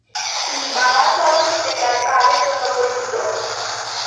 তিনি বাংলা চলচ্চিত্রে তার কাজের জন্য পরিচিত।